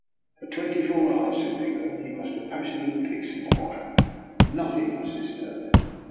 For twenty four hours," said Nikola, he must have absolute peace and quiet. Nothing must disturb him.